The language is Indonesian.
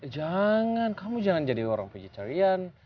jangan kamu jangan jadi orang pencicarian